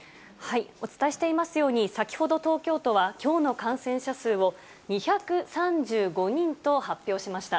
お伝えしていますように、先ほど、東京都はきょうの感染者数を２３５人と発表しました。